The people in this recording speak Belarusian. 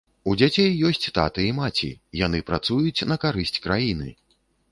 У дзяцей ёсць таты і маці, яны працуюць на карысць краіны.